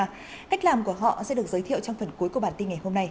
và cách làm của họ sẽ được giới thiệu trong phần cuối của bản tin ngày hôm nay